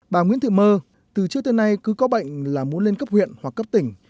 bà nguyễn thị mơ từ trước tới nay cứ có bệnh là muốn lên cấp huyện hoặc cấp tỉnh